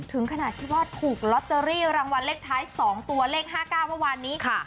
ถึงขนาดที่ว่าถูกลอตเตอรี่รางวัลเลขท้าย๒ตัวเลข๕๙เมื่อวานนี้ค่ะ